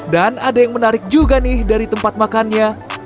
dan ada yang menarik juga nih dari tempat makannya